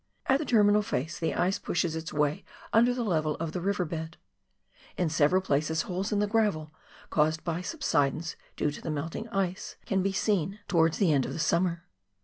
At the terminal face the ice pushes its way under the level of the river bed ; in several places holes in the gravel, caused by subsidence due to the melting ice, can be seen towards the end FOX GLACIER. 123 of the summer.